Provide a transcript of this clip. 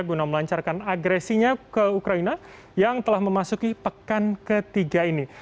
guna melancarkan agresinya ke ukraina yang telah memasuki pekan ketiga ini